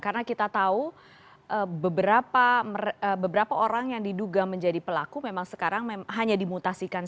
karena kita tahu beberapa orang yang diduga menjadi pelaku memang sekarang hanya dimutasikan